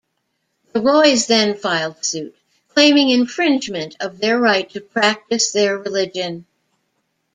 The Roys then filed suit, claiming infringement of their right to practice their religion.